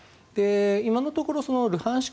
今のところルハンシク